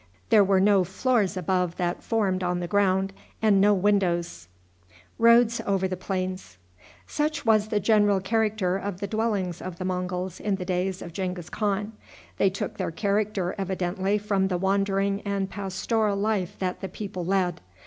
There were no floors above that formed on the ground, and no windows. Such was the general character of the dwellings of the Monguls in the days of Genghis Khan. They took their character evidently from the wandering and pastoral life that the people led.